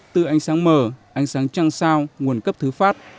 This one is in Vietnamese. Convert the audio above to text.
từ ánh sáng mở ánh sáng trăng sao nguồn cấp thứ phát